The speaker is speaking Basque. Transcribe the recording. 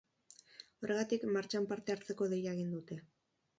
Horregatik, martxan parte hartzeko deia egin dute.